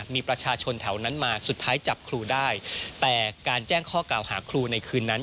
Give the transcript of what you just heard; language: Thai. มีประชาชนแถวนั้นมาสุดท้ายจับครูได้แต่การแจ้งข้อกล่าวหาครูในคืนนั้น